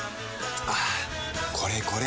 はぁこれこれ！